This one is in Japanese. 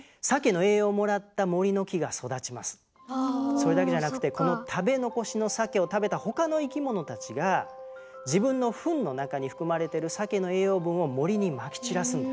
それだけじゃなくてこの食べ残しのサケを食べた他の生き物たちが自分のフンの中に含まれてるサケの栄養分を森にまき散らすんです。